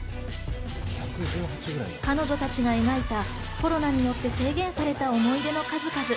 彼女たちが描いたコロナによって制限された思い出の数々。